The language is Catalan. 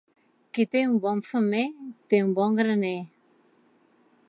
Qui té un bon femer, té un bon graner.